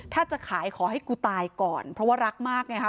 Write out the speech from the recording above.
ถ้าจะขายขอให้กูตายก่อนเพราะว่ารักมากนะคะ